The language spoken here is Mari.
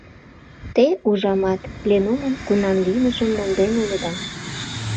— Те, ужамат, Пленумын кунам лиймыжым монден улыда.